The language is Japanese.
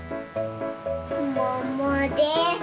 ももです。